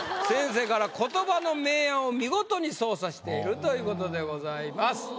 先生から「言葉の明暗を見事に操作！」しているということでございます。